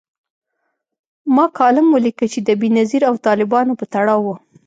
ما کالم ولیکه چي د بېنظیر او طالبانو په تړاو و